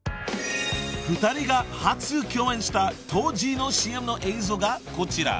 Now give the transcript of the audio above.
［２人が初共演した当時のＣＭの映像がこちら］